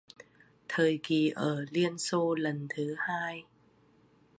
Thời kỳ ở Liên Xô lần thứ hai